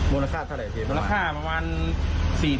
มูลค่าเท่าไหร่เท่าไหร่